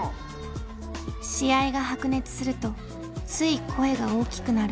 試合が白熱するとつい声が大きくなる。